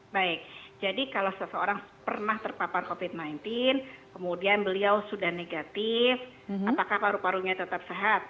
baik jadi kalau seseorang pernah terpapar covid sembilan belas kemudian beliau sudah negatif apakah paru parunya tetap sehat